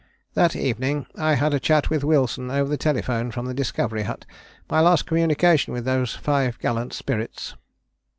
"That evening I had a chat with Wilson over the telephone from the Discovery Hut my last communication with those five gallant spirits."